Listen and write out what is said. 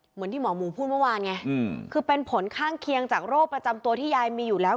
เหมือนที่หมอหมูพูดเมื่อวานไงคือเป็นผลข้างเคียงจากโรคประจำตัวที่ยายมีอยู่แล้ว